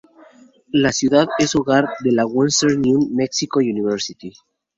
La ciudad es hogar de la Western New Mexico University.